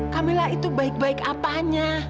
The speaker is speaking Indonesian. kamilah itu baik baik apanya